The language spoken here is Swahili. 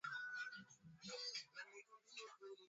tumia Viazi vilivyopikwa na kupondwapondwa kutengeneza juisi